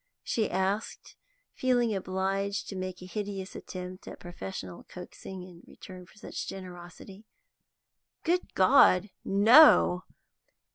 she asked, feeling obliged to make a hideous attempt at professional coaxing in return for such generosity. "Good God, no!"